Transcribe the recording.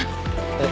えっ？